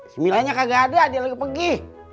semilainya kagak ada dia lagi pergi